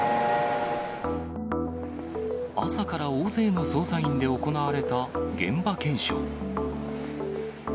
朝から大勢の捜査員で行われた現場検証。